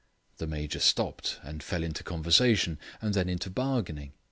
The Major stopped and fell into conversation, and then into bargaining.